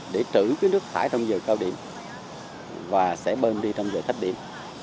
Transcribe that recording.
để trữ nước thải trong dời cao điểm và sẽ bơm đi trong dời thách điểm